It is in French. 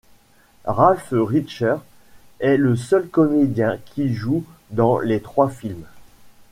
Ralf Richter est le seul comédien qui joue dans les trois films.